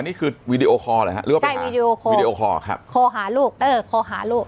อันนี้คือวิดีโอคอหรอครับใช่วิดีโอคอคอหาลูก